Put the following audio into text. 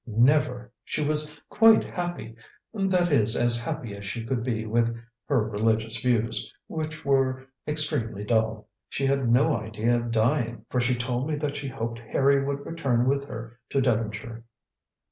"Never! She was quite happy that is, as happy as she could be with her religious views, which were extremely dull. She had no idea of dying, for she told me that she hoped Harry would return with her to Devonshire."